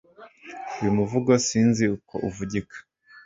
Uyu muvugo sinzi uko uvugika